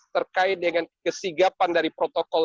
terkait dengan kesigapan dari protokol